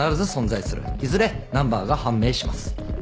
いずれナンバーが判明します。